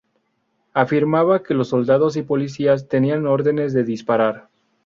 Afirmaba que los soldados y policías tenían órdenes de disparar.